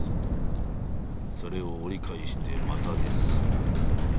それを折り返してまた熱する。